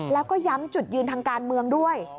แล้วก็ย้ำจุดยืนทางการเมืองด้วย